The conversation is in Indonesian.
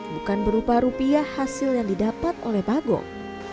bukan berupa rupiah hasil yang didapat oleh bagong